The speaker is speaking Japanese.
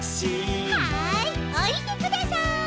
はいおりてください。